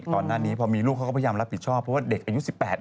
ก่อนหน้านี้พอมีลูกก็ก็ก็พยายามรับผิดชอบ